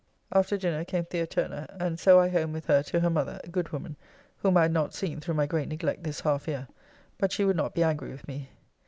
After dinner came The. Turner, and so I home with her to her mother, good woman, whom I had not seen through my great neglect this half year, but she would not be angry with me.